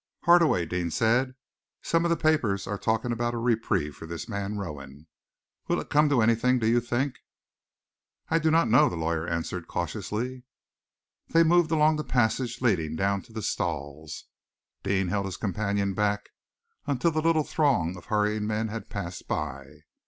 "Hardaway," Deane said, "some of the papers are talking about a reprieve for this man Rowan. Will it come to anything, do you think?" "I do not know," the lawyer answered cautiously. They moved along the passage leading down to the stalls. Deane held his companion back until the little throng of hurrying men had passed by.